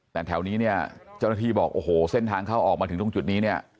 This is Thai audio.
แต่แถวนี้เนี่ยเจ้าหน้าที่บอกโอ้โหเส้นทางเข้าออกมาถึงตรงจุดนี้เนี่ย